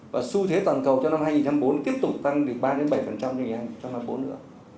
và xu thế toàn cầu cho năm hai nghìn bốn tiếp tục tăng từ ba đến bảy trong năm hai nghìn bốn nữa